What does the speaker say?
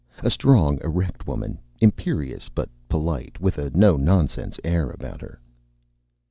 A strong, erect woman, imperious but polite, with a no nonsense air about her.